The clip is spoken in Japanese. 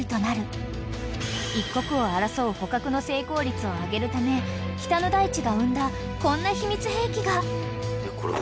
［一刻を争う捕獲の成功率を上げるため北の大地が生んだこんな秘密兵器が］